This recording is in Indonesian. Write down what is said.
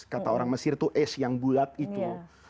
kata orang mesir itu es yang bulat itu